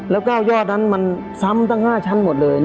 แล้วก็ยอดนั้นมันซ้ำตั้ง๕ชั้นหมดเลย